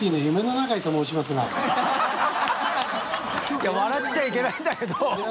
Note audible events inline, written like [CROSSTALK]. いや笑っちゃいけないんだけど [LAUGHS]